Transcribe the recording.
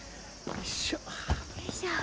よいしょ。